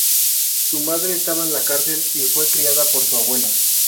Su madre estaba en la cárcel, y fue criada por su abuela.